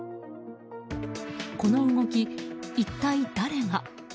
この動き、一体誰が。